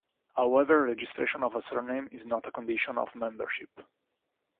However registration of a surname is not a condition of membership.